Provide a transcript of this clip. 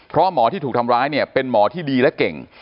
เพราะหมอที่ถูกทำร้ายเนี่ยเป็นหมอที่ดีและเก่ง